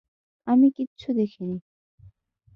আমি কিচ্ছু দেখিনি।